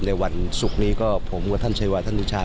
ในวันศุกร์นี้ก็ผมกับท่านชายวาท่านวิชา